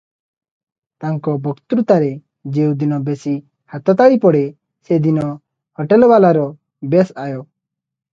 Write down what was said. ତାଙ୍କ ବକ୍ତୃତାରେ ଯେଉଁଦିନ ବେଶି ହାତତାଳି ପଡ଼େ, ସେଦିନ ହୋଟେଲବାଲାର ବେଶ ଆୟ ।